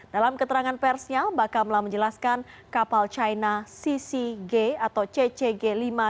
dalam keterangan persnya bakamla menjelaskan kapal china ccg atau ccg lima